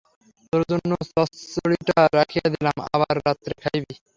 তোর জন্য চচ্চড়িটা রাখিয়া দিলাম, আবার রাত্রে খাইবি।